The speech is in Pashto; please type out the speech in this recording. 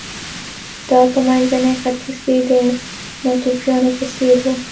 دا په منځني ختیځ کې د ناتوفیانو په څېر و